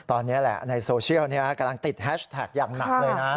ตอนนี้แหละในโซเชียลกำลังติดแฮชแท็กอย่างหนักเลยนะ